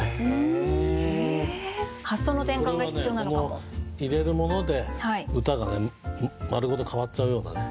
この入れるもので歌がね丸ごと変わっちゃうようなね。